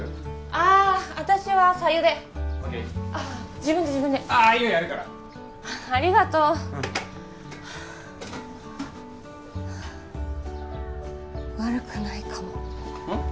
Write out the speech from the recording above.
ああ私は白湯でＯＫああ自分で自分でああいいよやるからありがとうはあっ悪くないかもうん？